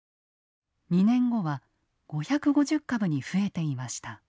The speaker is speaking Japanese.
２年後は５５０株に増えていました。